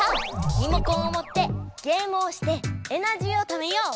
リモコンをもってゲームをしてエナジーをためよう。